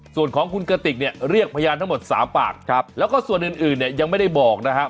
ส่วนของคุณกติกเนี่ยเรียกพยานทั้งหมด๓ปากแล้วก็ส่วนอื่นเนี่ยยังไม่ได้บอกนะครับ